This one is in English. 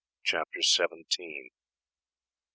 CHAPTER SEVENTEENTH.